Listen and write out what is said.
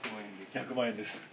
１００万円です。